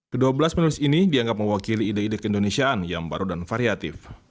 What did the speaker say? kedua belas penulis ini dianggap mewakili ide ide keindonesiaan yang baru dan variatif